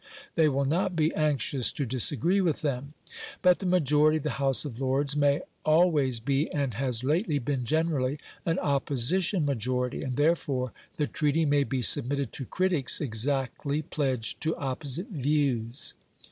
They will not be anxious to disagree with them. But the majority of the House of Lords may always be, and has lately been generally an opposition majority, and therefore the treaty may be submitted to critics exactly pledged to opposite views.